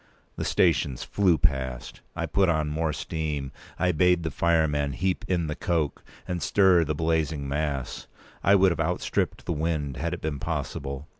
The stations flew past. I put on more steam; I bade the fireman heap in the coke, and stir the blazing mass. I would have outstripped the wind, had it been possible.